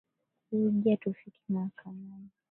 Kuja tufike mahakamani